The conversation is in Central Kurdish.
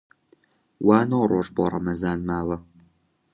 وا نۆ ڕۆژ بۆ ڕەمەزان ماوە